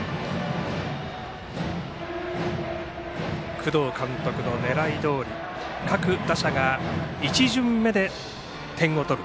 工藤監督の狙いどおり各打者が１巡目で点を取る。